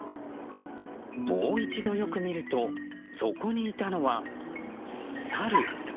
もう一度よく見るとそこにいたのは、サル。